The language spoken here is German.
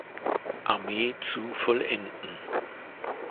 Armee zu vollenden.